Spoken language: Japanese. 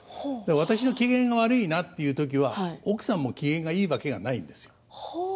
私の機嫌が悪いなという時は奥さんも機嫌がいいわけはないんですよ。